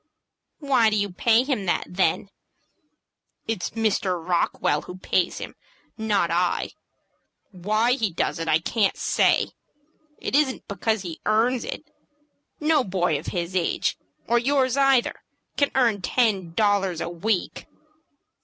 "Why do you pay him that, then?" "It's Mr. Rockwell who pays him, not I. Why he does it, I can't say. It isn't because he earns it. No boy of his age, or yours either, can earn ten dollars a week."